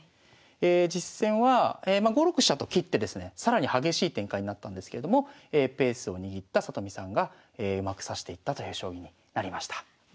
実戦は５六飛車と切ってですね更に激しい展開になったんですけれどもペースを握った里見さんがうまく指していったという将棋になりました。